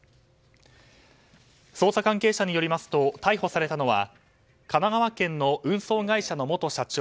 捜査関係者によりますと逮捕されたのは神奈川県の運送会社の元社長